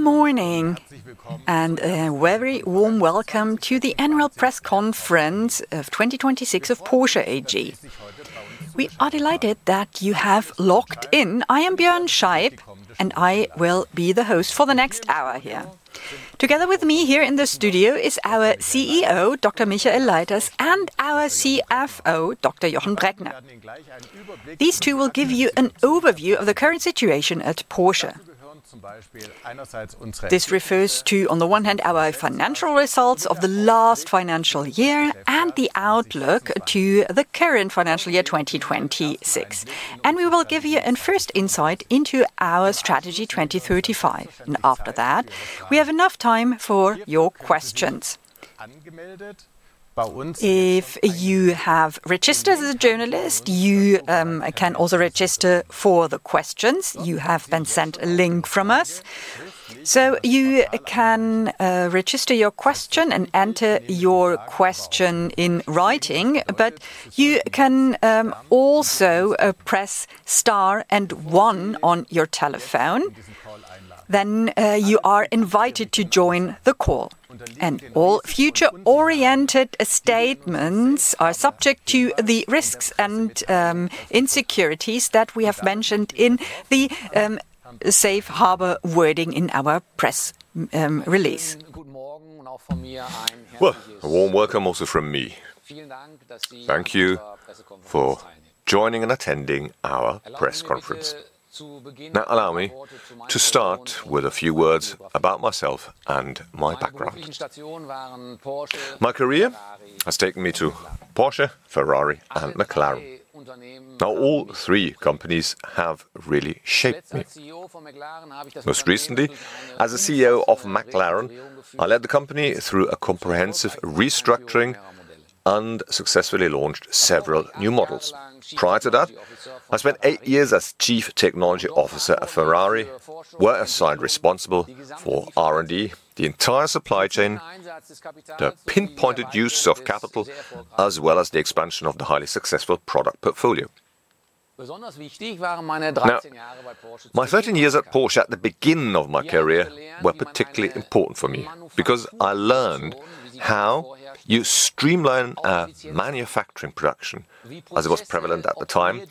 Good morning, and a very warm welcome to the annual press conference of 2026 of Porsche AG. We are delighted that you have logged in. I am Björn Scheib, and I will be the host for the next hour here. Together with me here in the studio is our CEO, Dr. Michael Leiters, and our CFO, Dr. Jochen Breckner. These two will give you an overview of the current situation at Porsche. This refers to, on the one hand, our financial results of the last financial year and the outlook to the current financial year, 2026. We will give you a first insight into our Strategy 2035. After that, we have enough time for your questions. If you have registered as a journalist, you can also register for the questions. You have been sent a link from us. You can register your question and enter your question in writing, but you can also press star and one on your telephone. You are invited to join the call. All future-oriented statements are subject to the risks and uncertainties that we have mentioned in the safe harbor wording in our press release. Well, a warm welcome also from me. Thank you for joining and attending our press conference. Now allow me to start with a few words about myself and my background. My career has taken me to Porsche, Ferrari, and McLaren. Now, all three companies have really shaped me. Most recently, as the CEO of McLaren, I led the company through a comprehensive restructuring and successfully launched several new models. Prior to that, I spent eight years as Chief Technology Officer at Ferrari, where I was responsible for R&D, the entire supply chain, the pinpointed use of capital, as well as the expansion of the highly successful product portfolio. Now, my 13 years at Porsche at the beginning of my career were particularly important for me, because I learned how you streamline a manufacturing production, as it was prevalent at the time,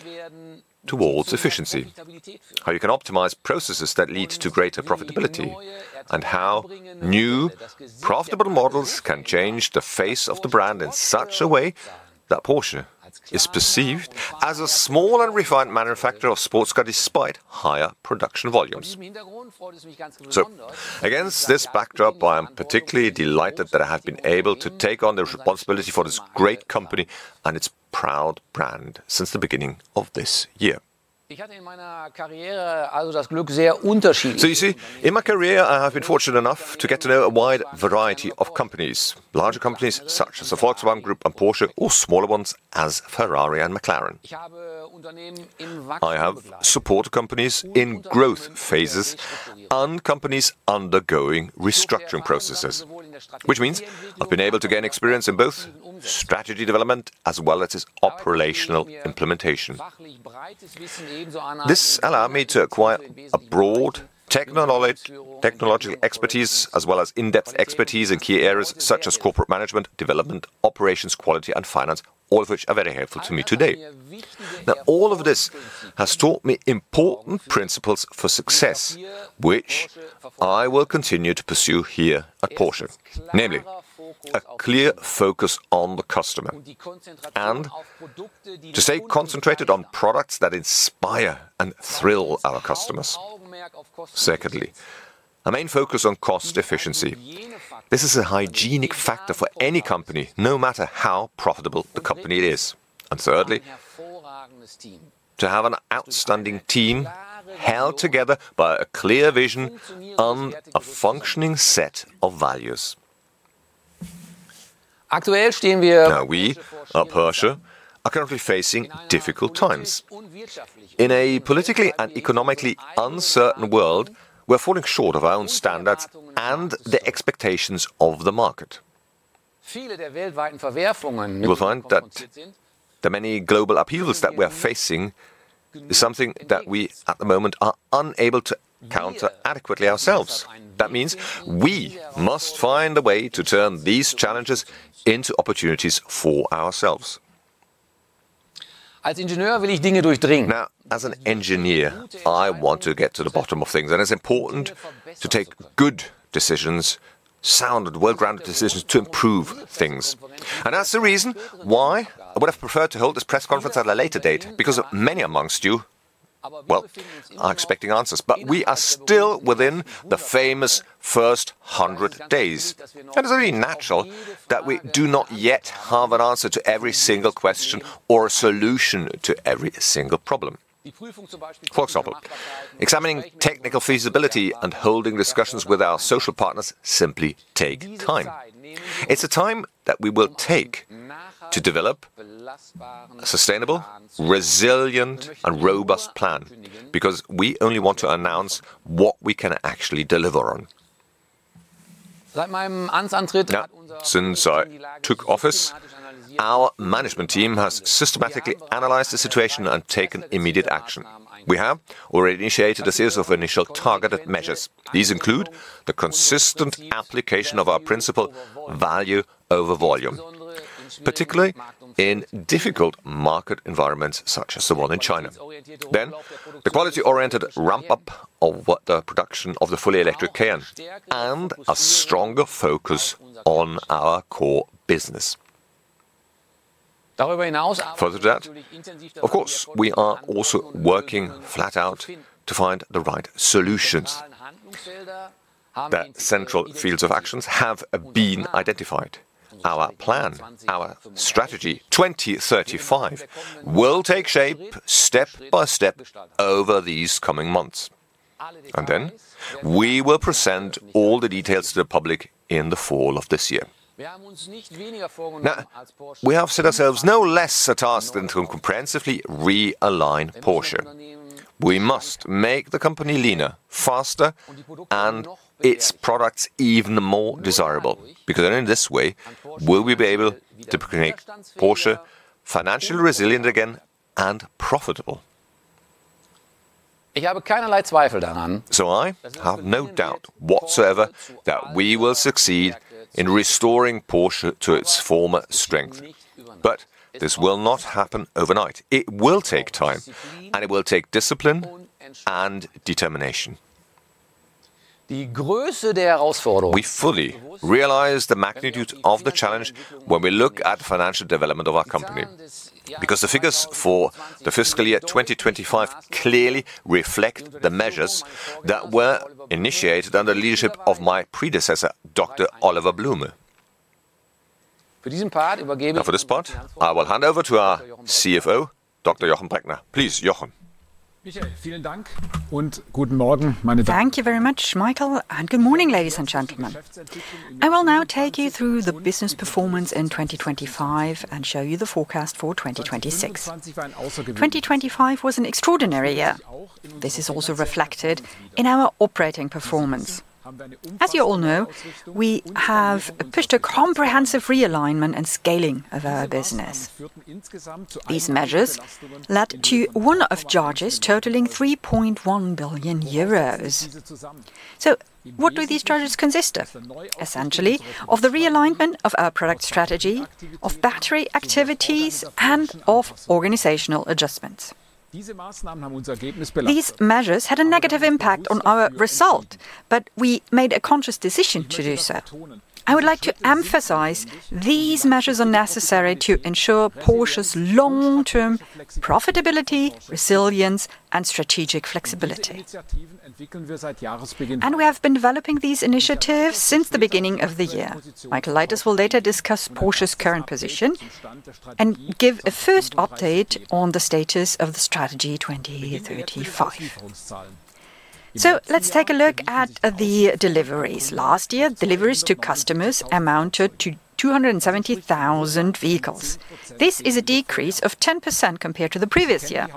towards efficiency, how you can optimize processes that lead to greater profitability, and how new profitable models can change the face of the brand in such a way that Porsche is perceived as a small and refined manufacturer of sports car, despite higher production volumes. Against this backdrop, I am particularly delighted that I have been able to take on the responsibility for this great company and its proud brand since the beginning of this year. You see, in my career, I have been fortunate enough to get to know a wide variety of companies, larger companies such as the Volkswagen Group and Porsche, or smaller ones as Ferrari and McLaren. I have supported companies in growth phases and companies undergoing restructuring processes, which means I've been able to gain experience in both strategy development as well as its operational implementation. This allowed me to acquire a broad technological expertise as well as in-depth expertise in key areas such as corporate management, development, operations, quality and finance, all of which are very helpful to me today. Now, all of this has taught me important principles for success, which I will continue to pursue here at Porsche, namely a clear focus on the customer and to stay concentrated on products that inspire and thrill our customers. Secondly, a main focus on cost efficiency. This is a hygienic factor for any company, no matter how profitable the company is. Thirdly, to have an outstanding team held together by a clear vision and a functioning set of values. Now we at Porsche are currently facing difficult times. In a politically and economically uncertain world, we're falling short of our own standards and the expectations of the market. We find that the many global upheavals that we're facing is something that we, at the moment, are unable to counter adequately ourselves. That means we must find a way to turn these challenges into opportunities for ourselves. Now, as an engineer, I want to get to the bottom of things, and it's important to take good decisions, sound and well-grounded decisions to improve things. That's the reason why I would have preferred to hold this press conference at a later date, because many among you, well, are expecting answers. We are still within the famous first 100 days, and it's only natural that we do not yet have an answer to every single question or a solution to every single problem. For example, examining technical feasibility and holding discussions with our social partners simply take time. It's a time that we will take to develop a sustainable, resilient, and robust plan, because we only want to announce what we can actually deliver on. Since I took office, our management team has systematically analyzed the situation and taken immediate action. We have already initiated a series of initial targeted measures. These include the consistent application of our principle, value over volume, particularly in difficult market environments such as the one in China. The quality-oriented ramp-up of the production of the fully electric Taycan, and a stronger focus on our core business. Further to that, of course, we are also working flat out to find the right solutions. The central fields of actions have been identified. Our plan, our Strategy 2035 will take shape step by step over these coming months, and then we will present all the details to the public in the fall of this year. Now, we have set ourselves no less a task than to comprehensively realign Porsche. We must make the company leaner, faster, and its products even more desirable, because only in this way will we be able to make Porsche financially resilient again and profitable. I have no doubt whatsoever that we will succeed in restoring Porsche to its former strength. This will not happen overnight. It will take time, and it will take discipline and determination. We fully realize the magnitude of the challenge when we look at the financial development of our company, because the figures for the fiscal year 2025 clearly reflect the measures that were initiated under the leadership of my predecessor, Dr. Oliver Blume. Now, for this part, I will hand over to our CFO, Dr. Jochen Breckner. Please, Jochen. Thank you very much, Michael, and good morning, ladies and gentlemen. I will now take you through the business performance in 2025 and show you the forecast for 2026. 2025 was an extraordinary year. This is also reflected in our operating performance. As you all know, we have pushed a comprehensive realignment and scaling of our business. These measures led to one-off charges totaling 3.1 billion euros. What do these charges consist of? Essentially, of the realignment of our product strategy, of battery activities, and of organizational adjustments. These measures had a negative impact on our result, but we made a conscious decision to do so. I would like to emphasize these measures are necessary to ensure Porsche's long-term profitability, resilience, and strategic flexibility. We have been developing these initiatives since the beginning of the year. Michael Leiters will later discuss Porsche's current position and give a first update on the status of the Strategy 2035. Let's take a look at the deliveries. Last year, deliveries to customers amounted to 270,000 vehicles. This is a decrease of 10% compared to the previous year.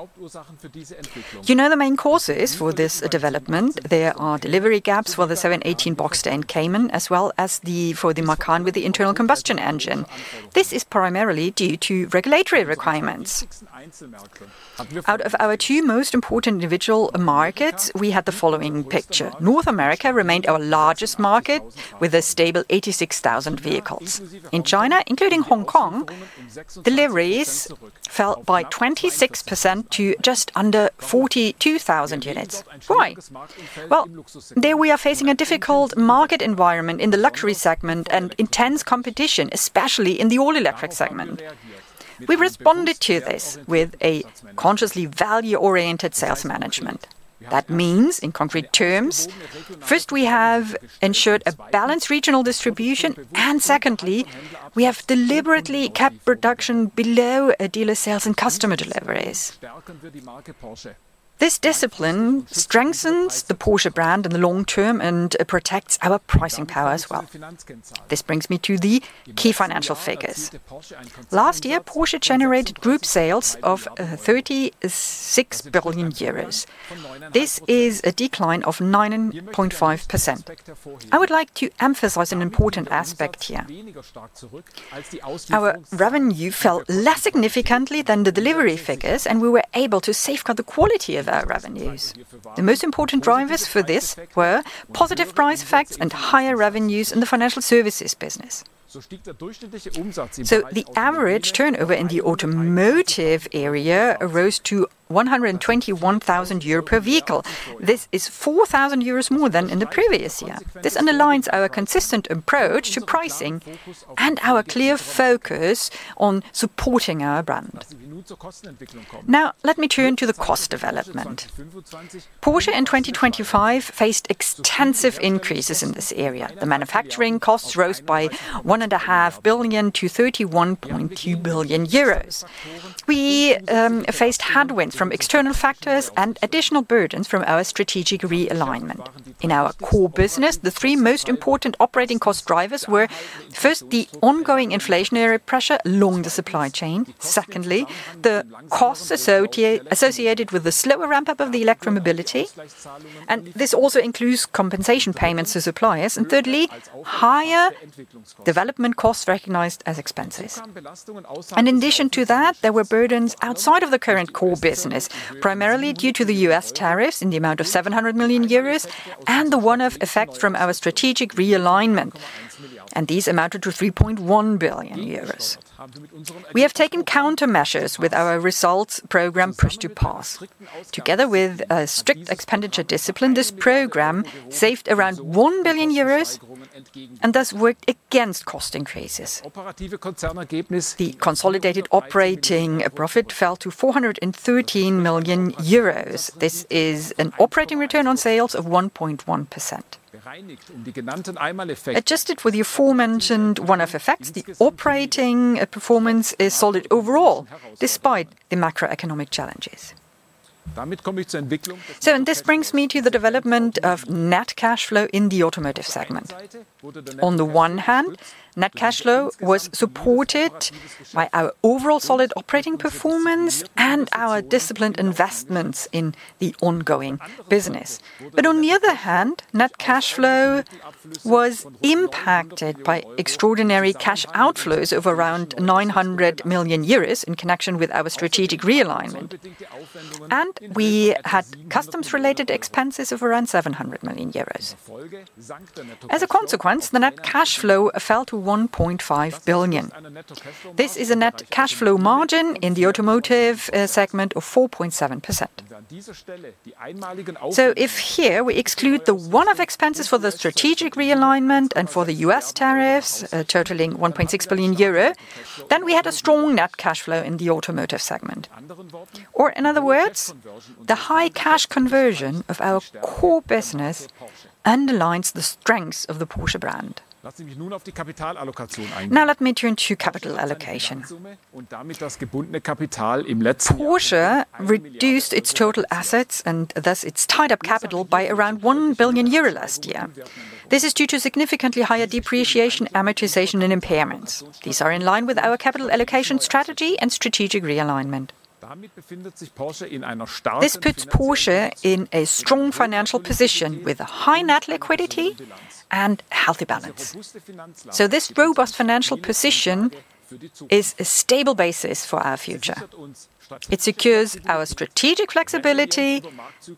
You know the main causes for this development. There are delivery gaps for the 718 Boxster and Cayman, as well as the, for the Macan with the internal combustion engine. This is primarily due to regulatory requirements. Out of our two most important individual markets, we had the following picture. North America remained our largest market with a stable 86,000 vehicles. In China, including Hong Kong, deliveries fell by 26% to just under 42,000 units. Why? Well, there we are facing a difficult market environment in the luxury segment and intense competition, especially in the all-electric segment. We responded to this with a consciously value-oriented sales management. That means, in concrete terms, first, we have ensured a balanced regional distribution, and secondly, we have deliberately kept production below our dealer sales and customer deliveries. This discipline strengthens the Porsche brand in the long term and protects our pricing power as well. This brings me to the key financial figures. Last year, Porsche generated group sales of 36 billion euros. This is a decline of 9.5%. I would like to emphasize an important aspect here. Our revenue fell less significantly than the delivery figures, and we were able to safeguard the quality of our revenues. The most important drivers for this were positive price effects and higher revenues in the financial services business. The average turnover in the automotive area rose to 121,000 euros per vehicle. This is 4,000 euros more than in the previous year. This underlines our consistent approach to pricing and our clear focus on supporting our brand. Now let me turn to the cost development. Porsche in 2025 faced extensive increases in this area. The manufacturing costs rose by one and a half billion EUR to 31.2 billion euros. We faced headwinds from external factors and additional burdens from our strategic realignment. In our core business, the three most important operating cost drivers were, first, the ongoing inflationary pressure along the supply chain. Secondly, the costs associated with the slower ramp-up of the electromobility, and this also includes compensation payments to suppliers. Thirdly, higher development costs recognized as expenses. In addition to that, there were burdens outside of the current core business, primarily due to the U.S. Tariffs in the amount of 700 million euros and the one-off effect from our strategic realignment, and these amounted to 3.1 billion euros. We have taken countermeasures with our results program Push to Pass. Together with a strict expenditure discipline, this program saved around 1 billion euros and thus worked against cost increases. The consolidated operating profit fell to 413 million euros. This is an operating return on sales of 1.1%. Adjusted for the aforementioned one-off effects, the operating performance is solid overall, despite the macroeconomic challenges. This brings me to the development of net cash flow in the automotive segment. On the one hand, net cash flow was supported by our overall solid operating performance and our disciplined investments in the ongoing business. On the other hand, net cash flow was impacted by extraordinary cash outflows of around 900 million euros in connection with our strategic realignment. We had customs-related expenses of around 700 million euros. As a consequence, the net cash flow fell to 1.5 billion. This is a net cash flow margin in the automotive segment of 4.7%. If here we exclude the one-off expenses for the strategic realignment and for the U.S. tariffs, totaling 1.6 billion euro, then we had a strong net cash flow in the automotive segment. In other words, the high cash conversion of our core business underlines the strengths of the Porsche brand. Now let me turn to capital allocation. Porsche reduced its total assets, and thus its tied-up capital, by around 1 billion euro last year. This is due to significantly higher depreciation, amortization, and impairments. These are in line with our capital allocation strategy and strategic realignment. This puts Porsche in a strong financial position with a high net liquidity and healthy balance. This robust financial position is a stable basis for our future. It secures our strategic flexibility,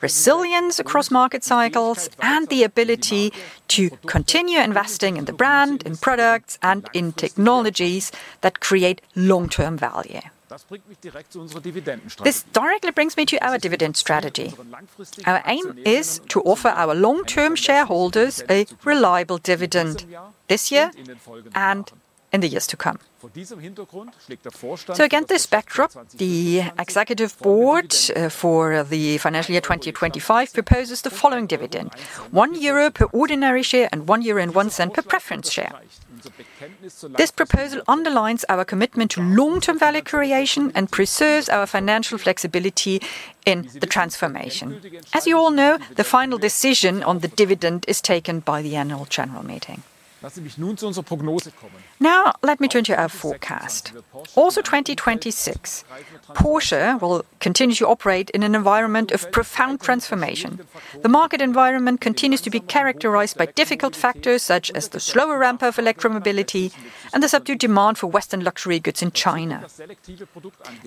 resilience across market cycles, and the ability to continue investing in the brand, in products, and in technologies that create long-term value. This directly brings me to our dividend strategy. Our aim is to offer our long-term shareholders a reliable dividend this year and in the years to come. Against this backdrop, the executive board for the financial year 2025 proposes the following dividend, 1 euro per ordinary share and 1.01 euro per preference share. This proposal underlines our commitment to long-term value creation and preserves our financial flexibility in the transformation. As you all know, the final decision on the dividend is taken by the annual general meeting. Now let me turn to our forecast. 2026, Porsche will continue to operate in an environment of profound transformation. The market environment continues to be characterized by difficult factors such as the slower ramp of electromobility and the subdued demand for Western luxury goods in China.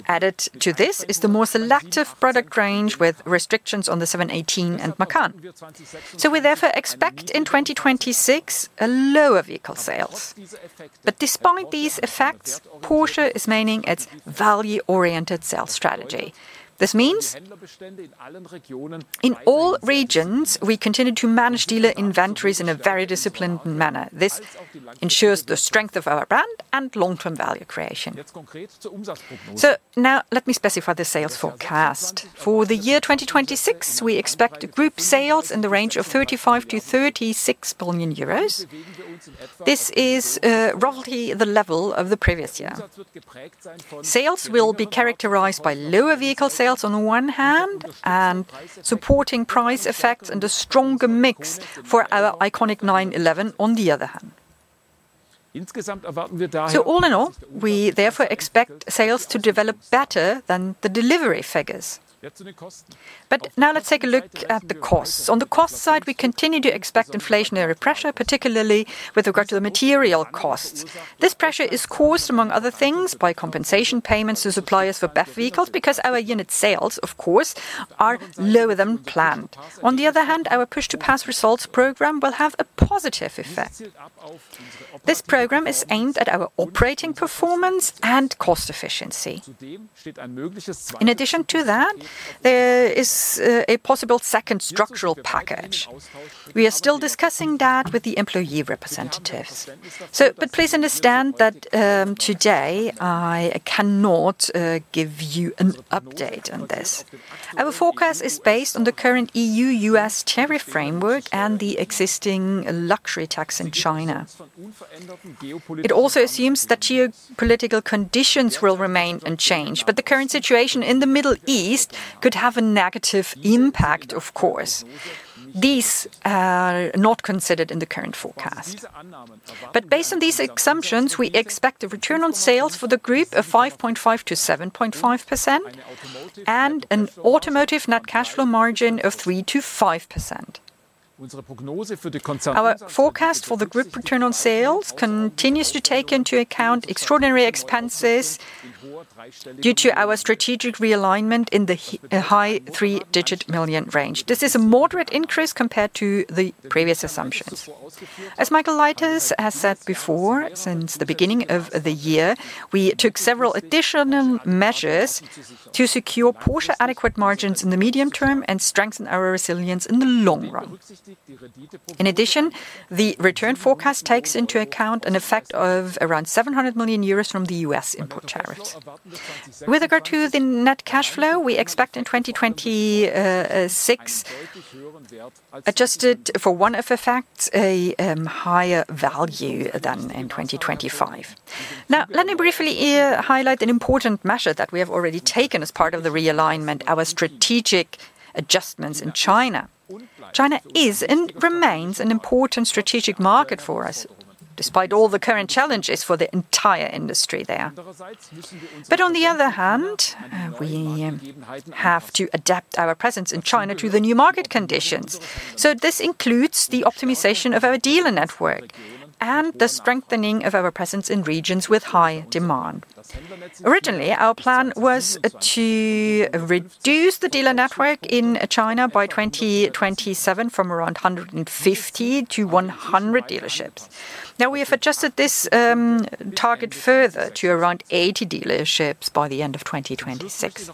Added to this is the more selective product range with restrictions on the 718 and Macan. We therefore expect in 2026 a lower vehicle sales. Despite these effects, Porsche is maintaining its value over volume sales strategy. This means, in all regions, we continue to manage dealer inventories in a very disciplined manner. This ensures the strength of our brand and long-term value creation. Now let me specify the sales forecast. For the year 2026, we expect group sales in the range of 35-36 billion euros. This is roughly the level of the previous year. Sales will be characterized by lower vehicle sales on one hand and supporting price effects and a stronger mix for our iconic 911 on the other hand. All in all, we therefore expect sales to develop better than the delivery figures. Now let's take a look at the costs. On the cost side, we continue to expect inflationary pressure, particularly with regard to the material costs. This pressure is caused, among other things, by compensation payments to suppliers for BEV vehicles because our unit sales, of course, are lower than planned. On the other hand, our Push to Pass results program will have a positive effect. This program is aimed at our operating performance and cost efficiency. In addition to that, there is a possible second structural package. We are still discussing that with the employee representatives. Please understand that today I cannot give you an update on this. Our forecast is based on the current EU-US tariff framework and the existing luxury tax in China. It also assumes that geopolitical conditions will remain unchanged, but the current situation in the Middle East could have a negative impact, of course. These are not considered in the current forecast. Based on these assumptions, we expect a return on sales for the group of 5.5%-7.5% and an automotive net cash flow margin of 3%-5%. Our forecast for the group return on sales continues to take into account extraordinary expenses due to our strategic realignment in the high three-digit million EUR range. This is a moderate increase compared to the previous assumptions. As Michael Leiters has said before, since the beginning of the year, we took several additional measures to secure Porsche adequate margins in the medium term and strengthen our resilience in the long run. In addition, the return forecast takes into account an effect of around 700 million euros from the U.S. import tariffs. With regard to the net cash flow, we expect in 2026, adjusted for one-off effects, a higher value than in 2025. Now let me briefly highlight an important measure that we have already taken as part of the realignment, our strategic adjustments in China. China is and remains an important strategic market for us, despite all the current challenges for the entire industry there. On the other hand, we have to adapt our presence in China to the new market conditions. This includes the optimization of our dealer network and the strengthening of our presence in regions with high demand. Originally, our plan was to reduce the dealer network in China by 2027 from around 150 to 100 dealerships. We have adjusted this target further to around 80 dealerships by the end of 2026.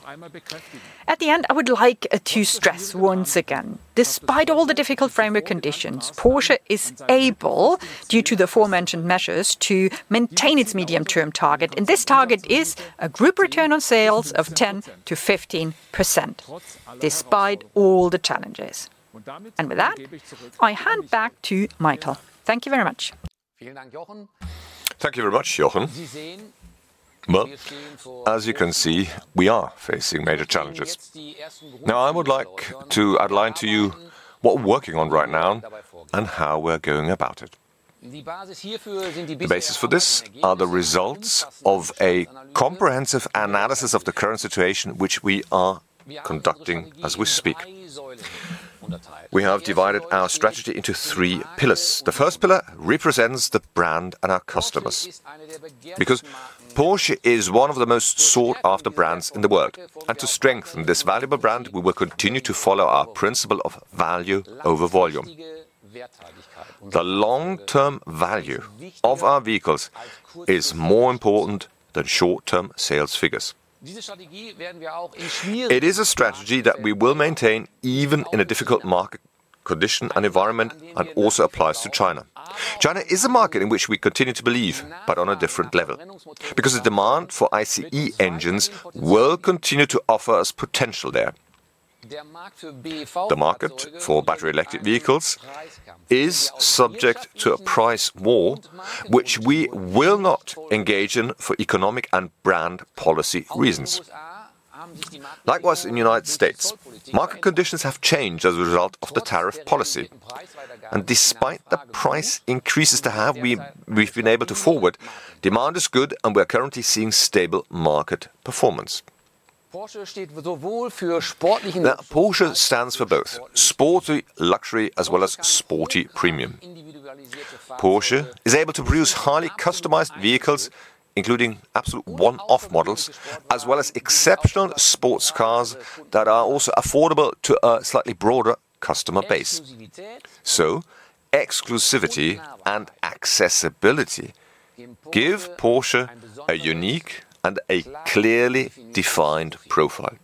At the end, I would like to stress once again, despite all the difficult framework conditions, Porsche is able, due to the aforementioned measures, to maintain its medium-term target, and this target is a group return on sales of 10%-15%, despite all the challenges. With that, I hand back to Michael Leiters. Thank you very much. Thank you very much, Jochen. Well, as you can see, we are facing major challenges. Now I would like to outline to you what we're working on right now and how we're going about it. The basis for this are the results of a comprehensive analysis of the current situation, which we are conducting as we speak. We have divided our strategy into three pillars. The first pillar represents the brand and our customers, because Porsche is one of the most sought-after brands in the world. To strengthen this valuable brand, we will continue to follow our principle of value over volume. The long-term value of our vehicles is more important than short-term sales figures. It is a strategy that we will maintain even in a difficult market condition and environment, and also applies to China. China is a market in which we continue to believe, but on a different level, because the demand for ICE engines will continue to offer us potential there. The market for battery electric vehicles is subject to a price war, which we will not engage in for economic and brand policy reasons. Likewise, in the United States, market conditions have changed as a result of the tariff policy. Despite the price increases we've been able to forward, demand is good and we are currently seeing stable market performance. Now, Porsche stands for both sporty luxury as well as sporty premium. Porsche is able to produce highly customized vehicles, including absolute one-off models, as well as exceptional sports cars that are also affordable to a slightly broader customer base. Exclusivity and accessibility give Porsche a unique and a clearly defined profile.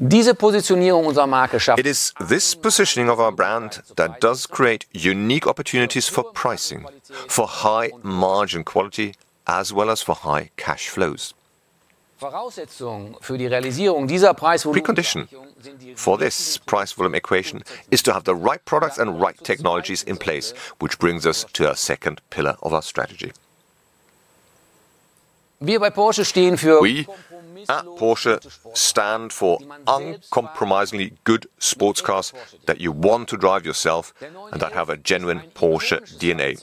It is this positioning of our brand that does create unique opportunities for pricing, for high margin quality, as well as for high cash flows. Precondition for this price volume equation is to have the right products and right technologies in place, which brings us to our second pillar of our strategy. We at Porsche stand for uncompromisingly good sports cars that you want to drive yourself and that have a genuine Porsche DNA.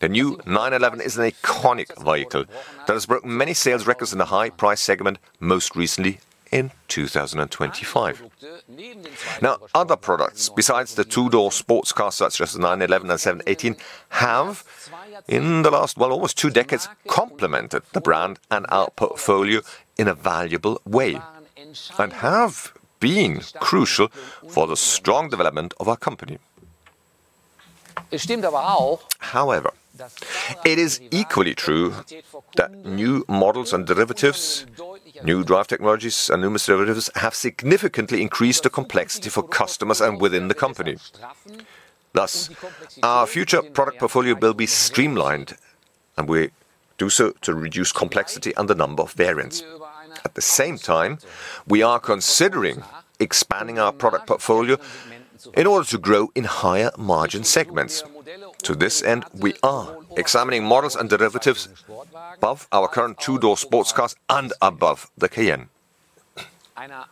The new 911 is an iconic vehicle that has broken many sales records in the high price segment, most recently in 2025. Now, other products, besides the two-door sports cars such as 911 and 718, have, in the last, well, almost two decades, complemented the brand and our portfolio in a valuable way and have been crucial for the strong development of our company. However, it is equally true that new models and derivatives, new drive technologies and numerous derivatives have significantly increased the complexity for customers and within the company. Thus, our future product portfolio will be streamlined, and we do so to reduce complexity and the number of variants. At the same time, we are considering expanding our product portfolio in order to grow in higher margin segments. To this end, we are examining models and derivatives above our current two-door sports cars and above the Cayenne. Now,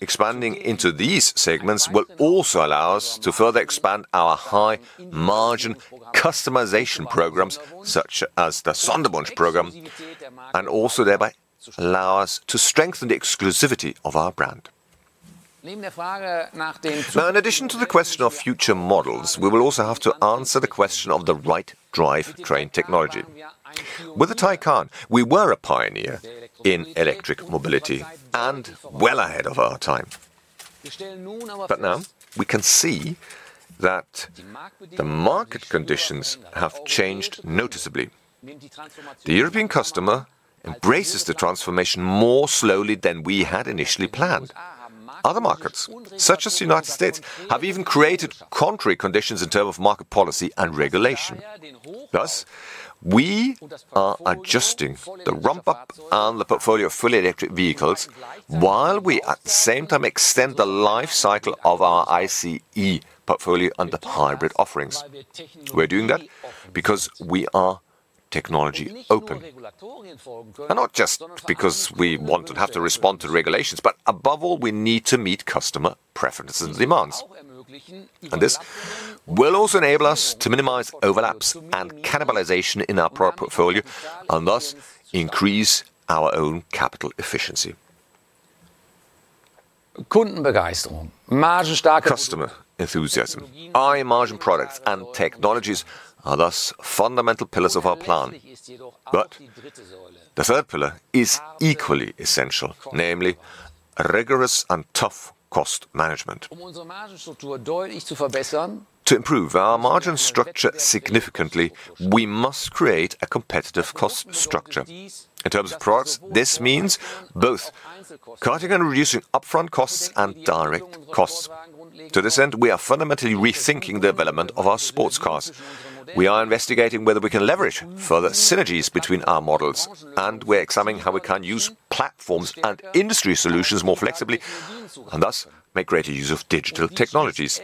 expanding into these segments will also allow us to further expand our high margin customization programs such as the Sonderwunsch program, and also thereby allow us to strengthen the exclusivity of our brand. Now, in addition to the question of future models, we will also have to answer the question of the right drivetrain technology. With the Taycan, we were a pioneer in electric mobility and well ahead of our time. Now we can see that the market conditions have changed noticeably. The European customer embraces the transformation more slowly than we had initially planned. Other markets, such as the United States, have even created contrary conditions in terms of market policy and regulation. Thus, we are adjusting the ramp up and the portfolio of fully electric vehicles while we at the same time extend the life cycle of our ICE portfolio under hybrid offerings. We're doing that because we are technology open, and not just because we want and have to respond to regulations, but above all, we need to meet customer preferences and demands. This will also enable us to minimize overlaps and cannibalization in our product portfolio and thus increase our own capital efficiency. Customer enthusiasm, high-margin products and technologies are thus fundamental pillars of our plan. The third pillar is equally essential, namely rigorous and tough cost management. To improve our margin structure significantly, we must create a competitive cost structure. In terms of products, this means both cutting and reducing upfront costs and direct costs. To this end, we are fundamentally rethinking the development of our sports cars. We are investigating whether we can leverage further synergies between our models, and we're examining how we can use platforms and industry solutions more flexibly, and thus make greater use of digital technologies.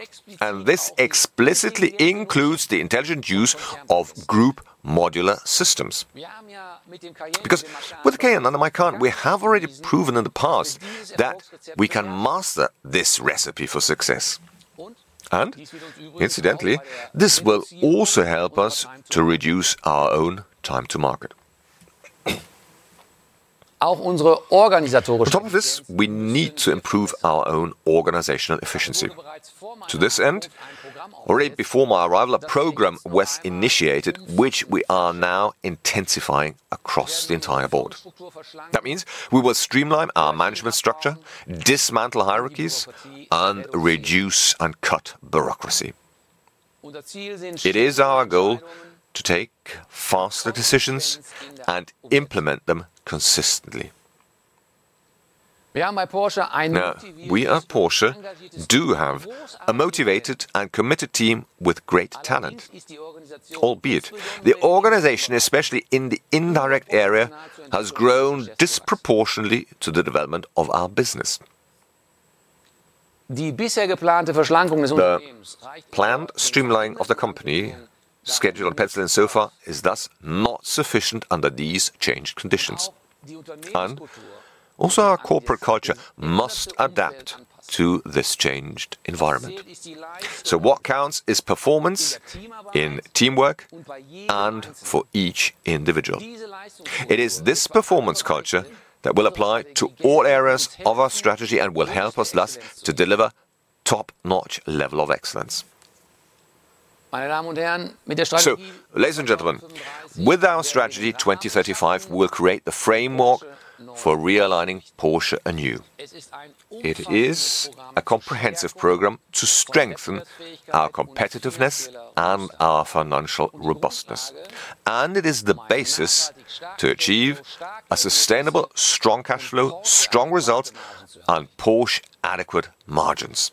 This explicitly includes the intelligent use of group modular systems. Because with Cayenne and the Macan, we have already proven in the past that we can master this recipe for success. Incidentally, this will also help us to reduce our own time to market. On top of this, we need to improve our own organizational efficiency. To this end, already before my arrival, a program was initiated, which we are now intensifying across the entire board. That means we will streamline our management structure, dismantle hierarchies, and reduce and cut bureaucracy. It is our goal to take faster decisions and implement them consistently. Now, we at Porsche do have a motivated and committed team with great talent, albeit the organization, especially in the indirect area, has grown disproportionately to the development of our business. The planned streamlining of the company scheduled on paper so far is thus not sufficient under these changed conditions. Our corporate culture must adapt to this changed environment. What counts is performance in teamwork and for each individual. It is this performance culture that will apply to all areas of our strategy and will help us thus to deliver top-notch level of excellence. Ladies and gentlemen, with our Strategy 2035, we'll create the framework for realigning Porsche anew. It is a comprehensive program to strengthen our competitiveness and our financial robustness, and it is the basis to achieve a sustainable, strong cash flow, strong results and Porsche adequate margins.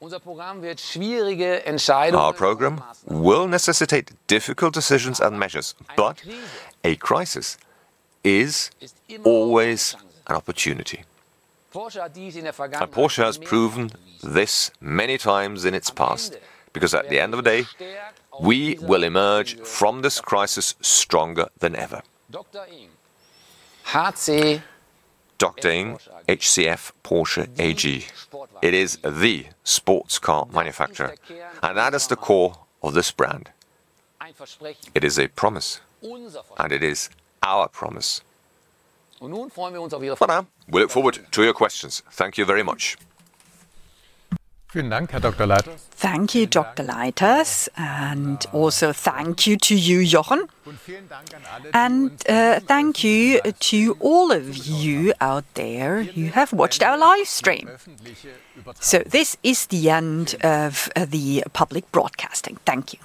Our program will necessitate difficult decisions and measures, but a crisis is always an opportunity. Porsche has proven this many times in its past, because at the end of the day, we will emerge from this crisis stronger than ever. Dr. Ing. h.c. F. Porsche AG, it is the sports car manufacturer, and that is the core of this brand. It is a promise, and it is our promise. We look forward to your questions. Thank you very much. Thank you, Dr. Leiters, and also thank you to you, Jochen. Thank you to all of you out there who have watched our live stream. This is the end of the public broadcasting. Thank you.